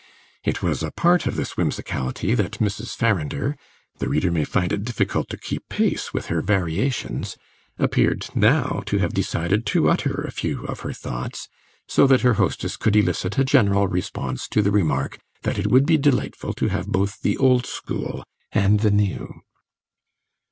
It was a part of this whimsicality that Mrs. Farrinder the reader may find it difficult to keep pace with her variations appeared now to have decided to utter a few of her thoughts, so that her hostess could elicit a general response to the remark that it would be delightful to have both the old school and the new.